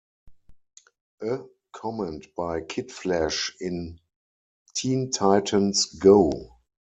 A comment by Kid Flash in Teen Titans Go!